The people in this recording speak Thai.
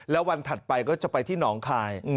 แล้ววันถัดไปก็จะไปที่หนองคาย